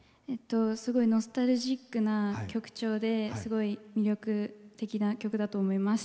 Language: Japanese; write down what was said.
すごいノスタルジックな曲調ですごい魅力的な曲だと思います。